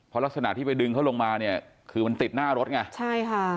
เพราะลักษณะที่ไปดึงเขาลงมาเนี่ยคือมันติดหน้ารถไงใช่ค่ะ